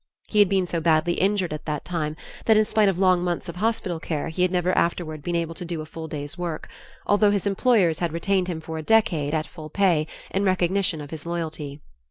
He had been so badly injured at that time, that in spite of long months of hospital care he had never afterward been able to do a full day's work, although his employers had retained him for a decade at full pay in recognition of his loyalty.